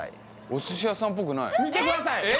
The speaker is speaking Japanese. お寿司屋さんっぽくない見てください！